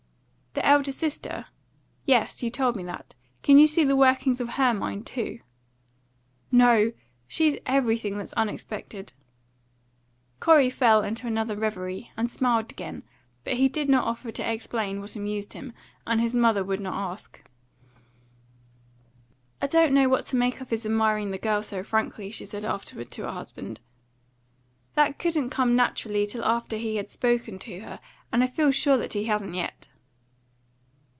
"The elder sister? Yes, you told me that. Can you see the workings of her mind too?" "No; she's everything that's unexpected." Corey fell into another reverie, and smiled again; but he did not offer to explain what amused him, and his mother would not ask. "I don't know what to make of his admiring the girl so frankly," she said afterward to her husband. "That couldn't come naturally till after he had spoken to her, and I feel sure that he hasn't yet."